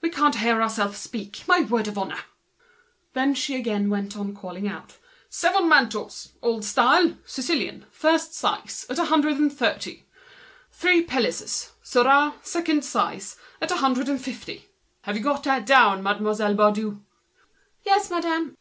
We can't hear ourselves speak, my word of honor!" Then she resumed calling out: "Seven mantles, old style, Sicilian, first size, at a hundred and thirty! Three pelisses, surah, second size, at a hundred and fifty! Have you got that down, Mademoiselle Baudu?" "Yes, madame."